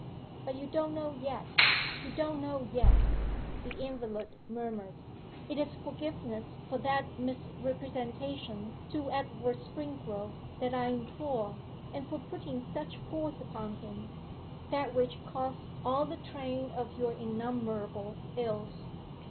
'But you don't know yet you don't know yet,' the invalid murmured. 'It is forgiveness for that misrepresentation to Edward Springrove that I implore, and for putting such force upon him that which caused all the train of your innumerable ills!